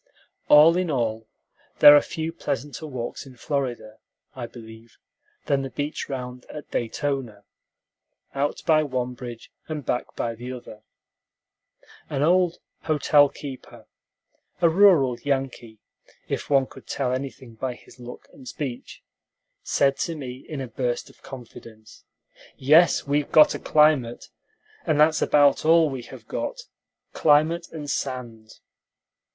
All in all, there are few pleasanter walks in Florida, I believe, than the beach round at Daytona, out by one bridge and back by the other. An old hotel keeper a rural Yankee, if one could tell anything by his look and speech said to me in a burst of confidence, "Yes, we've got a climate, and that's about all we have got, climate and sand."